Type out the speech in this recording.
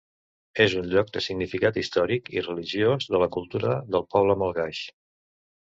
És un lloc de significat històric i religiós de la cultura del poble malgaix.